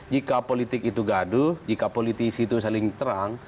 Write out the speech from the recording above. jika politik itu gaduh jika politisi itu saling terang